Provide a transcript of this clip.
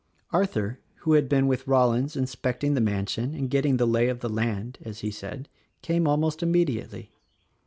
Arthur, who had been with Rollins inspecting the man sion and getting the lay of the land, as he said, came almost immediately.